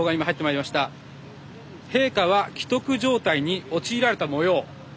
陛下は危篤状態に陥られたもよう。